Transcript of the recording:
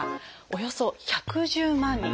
およそ１１０万人。